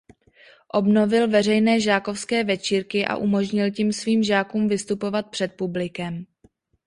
Obnovil veřejné žákovské večírky a umožnil tím svým žákům vystupovat před publikem.